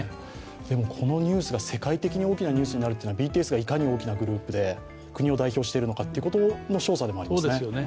でも、このニュースが世界的に大きなニュースになるというのはＢＴＳがいかに大きなグループで国を代表しているかということの証左でもありますね。